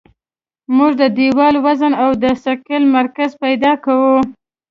موږ د دیوال وزن او د ثقل مرکز پیدا کوو